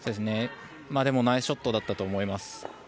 でもナイスショットだったと思います。